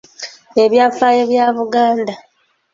Ebyafaayo bya Buganda